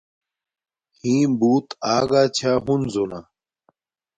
ھیم بوت آگا چھا ہنزو نا